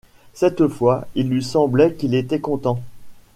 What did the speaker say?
Cette fois il lui semblait qu’il était content.